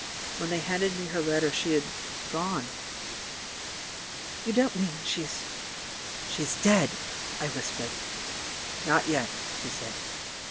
When they handed me her letter she had — gone." "You don't mean she — she's dead?" I whis pered. "Not yet," he said.